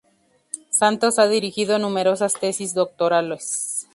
Santos ha dirigido numerosas tesis doctorales.